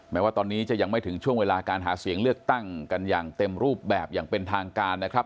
แม้ว่าตอนนี้จะยังไม่ถึงช่วงเวลาการหาเสียงเลือกตั้งกันอย่างเต็มรูปแบบอย่างเป็นทางการนะครับ